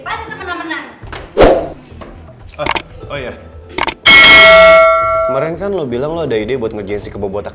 pasti semenang menang oh iya kemarin kan lo bilang lo ada ide buat ngerjain si kebo botak